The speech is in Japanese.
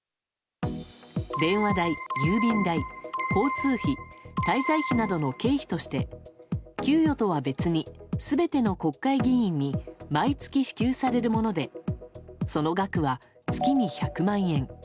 電話代、郵便代交通費、滞在費などの経費として給与とは別に全ての国会議員に毎月支給されるものでその額は、月に１００万円。